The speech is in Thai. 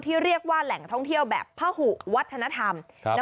เรียกว่าแหล่งท่องเที่ยวแบบผ้าหุวัฒนธรรม